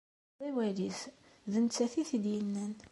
D awal-is, d nettat i t-id-yennan.